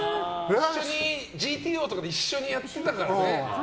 「ＧＴＯ」とかで一緒にやってたからね。